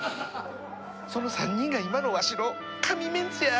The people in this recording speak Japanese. その３人が今のわしの神メンツや。